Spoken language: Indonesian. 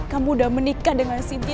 kamu udah menikah dengan siti